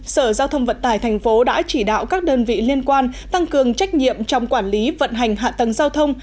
sở giao thông vận tải tp đã chỉ đạo các đơn vị liên quan tăng cường trách nhiệm trong quản lý vận hành hạ tầng giao thông